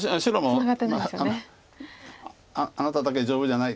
「あなただけ丈夫じゃない」。